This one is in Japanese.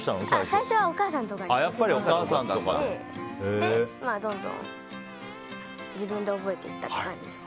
最初はお母さんとかに教えてもらったりしてどんどん自分で覚えていったっていう感じです。